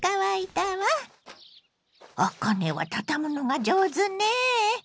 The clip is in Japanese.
あかねは畳むのが上手ね。